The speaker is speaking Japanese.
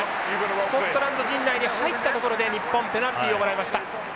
スコットランド陣内に入ったところで日本ペナルティをもらいました。